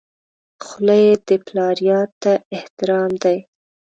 خولۍ د پلار یاد ته احترام دی.